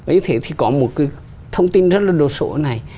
như thế thì có một cái thông tin rất là đồ sổ này